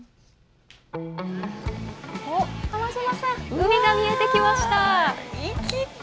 海が見えてきました。